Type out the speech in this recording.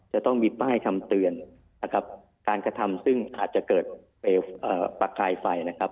จะต้องมีป้ายคำเตือนนะครับการกระทำซึ่งอาจจะเกิดประกายไฟนะครับ